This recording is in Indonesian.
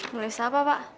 tulis apa pak